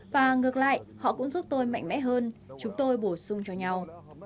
và ngược lại họ cũng giúp tôi mạnh mẽ hơn chúng tôi bổ sung cho nhau